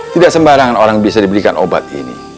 tidak sembarangan orang bisa diberikan obat ini